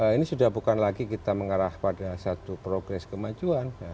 ini sudah bukan lagi kita mengarah pada satu progres kemajuan